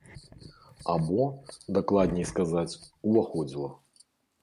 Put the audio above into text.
Або, дакладней сказаць, уваходзіла.